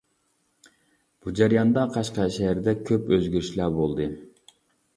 بۇ جەرياندا قەشقەر شەھىرىدە كۆپ ئۆزگىرىشلەر بولدى.